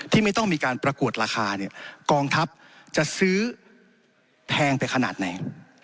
ไม่ต้องมีการประกวดราคาเนี่ยกองทัพจะซื้อแพงไปขนาดไหน